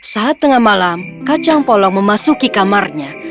saat tengah malam kacang polong memasuki kamarnya